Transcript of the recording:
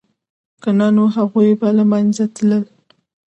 که نه نو هغوی به له منځه تلل